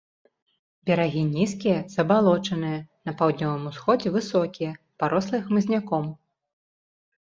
Берагі нізкія, забалочаныя, на паўднёвым-усходзе высокія, парослыя хмызняком хмызняком.